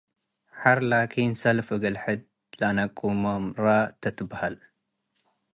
ሐር ላኪን ሰልፍ እግል ሕድ ለነቁሞ “ረ” ትትበሀል ።